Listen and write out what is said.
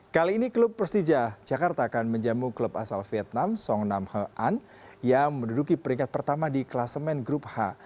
kali ini klub persija jakarta akan menjamu klub asal vietnam song nam he an yang menduduki peringkat pertama di kelasemen grup h